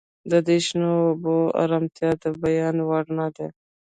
د دې شنو اوبو ارامتیا د بیان وړ نه ده